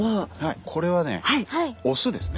これはね雄ですね。